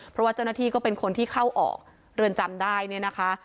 เพราะว่าเจ้าหน้าที่ก็เป็นคนที่เข้าออกเรือนจำได้เนี่ยนะคะ